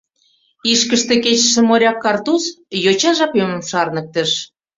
Ишкыште кечыше моряк картуз йоча жапемым шарныктыш.